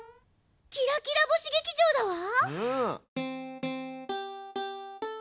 キラキラ星劇場だわ！